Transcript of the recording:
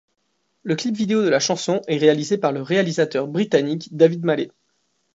Le clip vidéo de la chanson est réalisé par réalisateur britannique David Mallet.